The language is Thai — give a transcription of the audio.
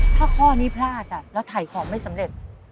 ถ้าข้อนี้พลาดแล้วถ่ายของไม่สำเร็จ